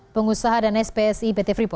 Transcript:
pengusaha dan spsi